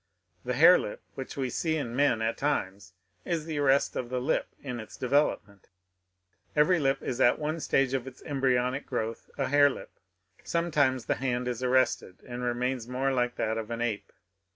The hare lip which we see in men at times, is the arrest of the lip in its development ; every lip is at one stage of its embryonic growth a hare lip. Sometimes the hand is arrested, and remains more like that of an ape.